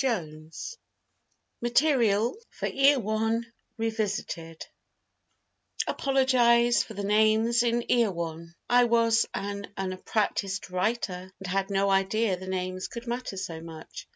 XVIII Material for Erewhon Revisited APOLOGISE for the names in Erewhon. I was an unpractised writer and had no idea the names could matter so much.